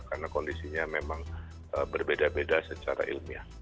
karena kondisinya memang berbeda beda secara ilmiah